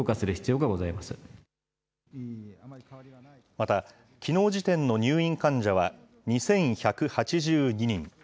また、きのう時点の入院患者は２１８２人。